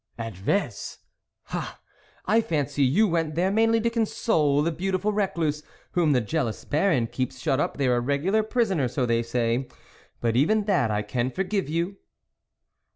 " At Vez ? ha ! I fancy you went there mainly to console the beautiful recluse, whom the jealous Baron keeps shut up there a regular prisoner, so they say. But even that I can forgive you."